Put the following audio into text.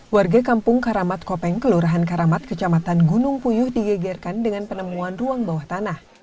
warga kampung karamat kopeng kelurahan karamat kecamatan gunung puyuh digegerkan dengan penemuan ruang bawah tanah